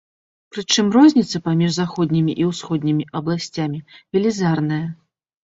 Прычым розніца паміж заходнімі і ўсходнімі абласцямі велізарная.